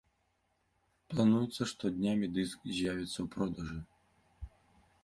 Плануецца, што днямі дыск з'явіцца ў продажы.